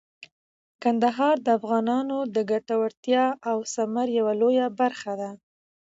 کندهار د افغانانو د ګټورتیا او ثمر یوه لویه برخه ده.